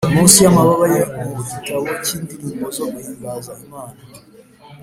munsi y’amababa ye mu gitabo cy’indirimbo zo guhimbaza imana